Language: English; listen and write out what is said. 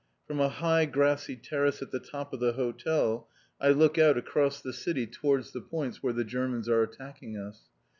From a high, grassy terrace at the top of the hotel I look out across the city towards the points where the Germans are attacking us.